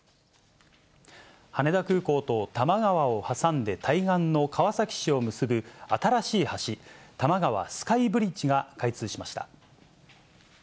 羽田空港と多摩川を挟んで対岸の川崎市を結ぶ新しい橋、多摩川スカイブリッジが開通しました。